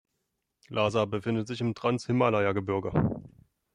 Lhasa befindet sich im Transhimalaya-Gebirge.